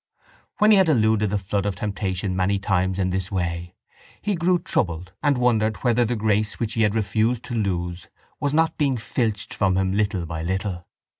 When he had eluded the flood of temptation many times in this way he grew troubled and wondered whether the grace which he had refused to lose was not being filched from him little by little.